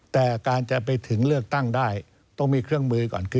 แต่การจะไปถึงเลือกตั้งได้ต้องมีเครื่องมือก่อน